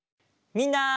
みんな。